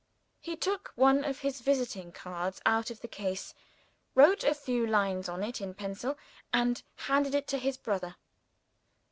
He took one of his visiting cards out of the case, wrote a few lines on it in pencil, and handed it to his brother.